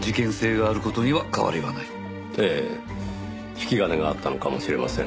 引き金があったのかもしれません。